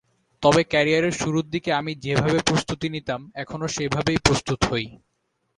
তবে ক্যারিয়ারের শুরুর দিকে আমি যেভাবে প্রস্তুতি নিতাম, এখনো সেভাবেই প্রস্তুত হই।